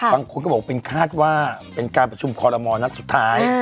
บางคนก็บอกว่าเป็นคาดว่าเป็นการประชุมคอลโมนัดสุดท้าย